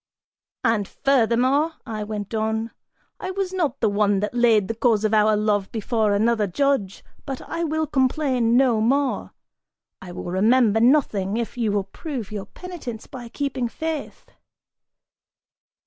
("And furthermore," I went on), "I was not the one that laid the cause of our love before another judge, but I will complain no more, I will remember nothing, if you will prove your penitence by keeping faith."